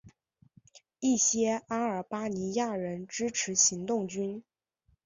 一些阿尔巴尼亚人支持行动军。